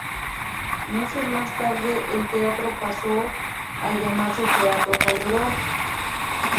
Meses más tarde el teatro pasó a llamarse Teatro Calderón.